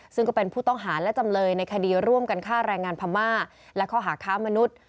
ซึ่งก็เป็นผู้ต้องหาและจำเลยในคดีร่วมกันฆ่าแรงงานพม่าและข้อหาค้ามนุษย์